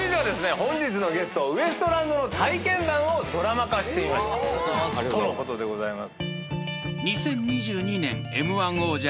本日のゲストウエストランドの体験談をドラマ化してみましたとのことでございます。